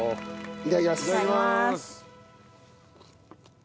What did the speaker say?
いただきます。